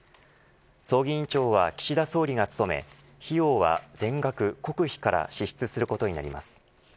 葬儀委員長は岸田総理が務め費用は全額国費から支出することになります。